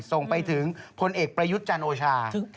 ส่งไปถึงพลเอกประยุทธ์จันทร์โอชา